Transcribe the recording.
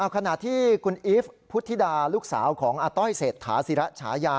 ขณะที่คุณอีฟพุทธิดาลูกสาวของอาต้อยเศรษฐาศิระฉายา